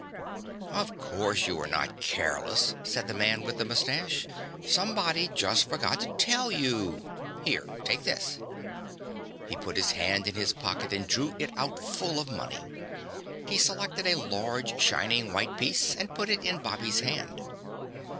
"Of course you were not careless," said the man with the mustache. "Somebody just forgot to tell you. Here, take this." He put his hand in his pocket and drew it out full of money. He selected a large shining white piece and put it in Bobby's hand.